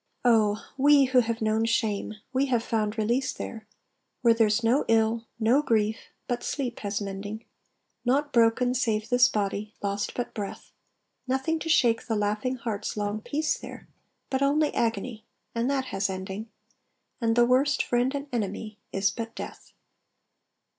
Oh! we, who have known shame, we have found release there, Where there's no ill, no grief, but sleep has mending, Naught broken save this body, lost but breath; Nothing to shake the laughing heart's long peace there But only agony, and that has ending; And the worst friend and enemy is but Death.